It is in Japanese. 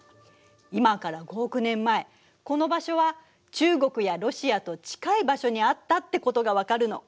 今から５億年前この場所は中国やロシアと近い場所にあったってことが分かるの。